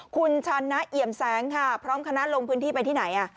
คุณชันนะเอี่ยมแสงค่ะพร้อมคณะลงพื้นที่ไปที่ไหน